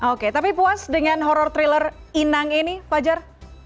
oke tapi puas dengan horror thriller inang ini fajar